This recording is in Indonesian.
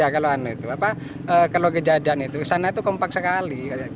kalau gejadan itu di sana itu kompak sekali